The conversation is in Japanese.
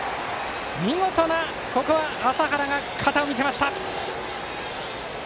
見事な麻原が肩を見せました。